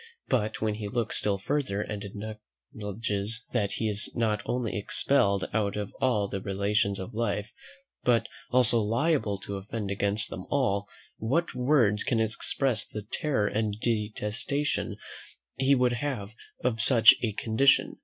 But when he looks still further and acknowledges that he is not only expelled out of all the relations of life, but also liable to offend against them all; what words can express the terror and detestation he would have of such a condition?